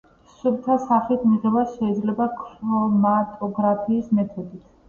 სუფთა სახით მიღება შეიძლება ქრომატოგრაფიის მეთოდით.